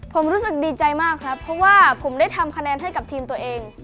ผมรู้สึกดีใจมากครับเพราะว่าผมได้ทำคะแนนให้กับทีมตัวเอง